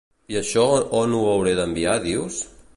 I això on ho hauré d'enviar dius?